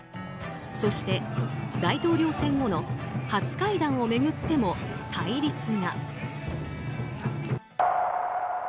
そして、大統領選後の初会談を巡っても対立が。